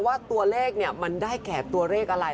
ว่าตัวเลขเนี่ยมันได้แขกตัวเลขอะไร